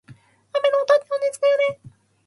雨の音って落ち着くよね。